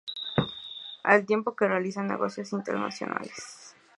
Al tiempo que realiza negocios internacionales.